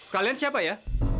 kalian siapa ya